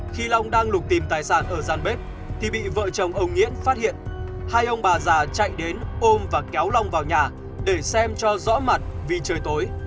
khi lòng đang lục tìm tài sản ở gian bếp thì bị vợ chồng ông nghĩễn phát hiện hai ông bà già chạy đến ôm và kéo lòng vào nhà để xem cho rõ mặt vì trời tối